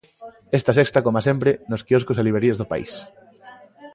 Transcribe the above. Esta sexta, coma sempre, nos quioscos e librarías do país.